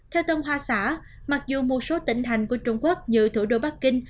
theo tân hoa xã mặc dù một số tỉnh thành của trung quốc như thủ đô bắc kinh